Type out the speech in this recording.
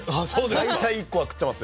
大体１個は食ってます。